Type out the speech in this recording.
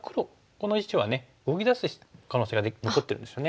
この石は動き出す可能性が残ってるんですよね。